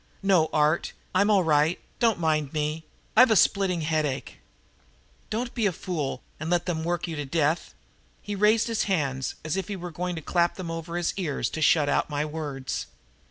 "No, Art, I'm all right. Don't mind me. I've a splitting headache " "Don't be a fool and let them work you to death." He raised his hands as if he were going to clap them over his ears to shut out my words.